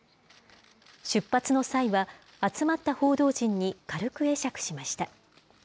出発の際は、集まった報道陣に軽く会釈しました。